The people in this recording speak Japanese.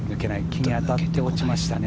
木に当たって落ちましたね。